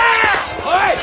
おい！